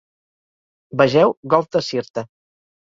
Vegeu golf de Sirte.